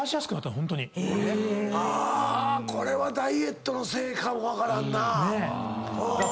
これはダイエットのせいかもわからんな。